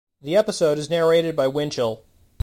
The episode is narrated by Winchell.